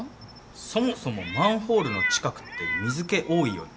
そもそもマンホールの近くって水気多いよね。